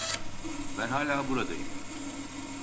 Ben hâlâ buradayım.